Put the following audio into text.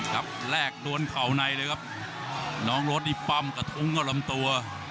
ครับแรกโดนเข่าในเลยครับน้องรถนี่ปั้มกระทุ้งเข้าลำตัว